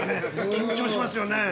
緊張しますよね。